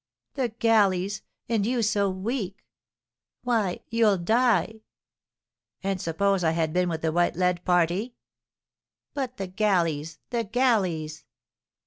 "The galleys, and you so weak? Why, you'll die!" "And suppose I had been with the white lead party?" "But the galleys, the galleys!"